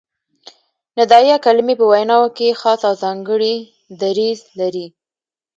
ندائیه کلیمې په ویناوو کښي خاص او ځانګړی دریځ لري.